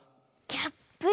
キャップ。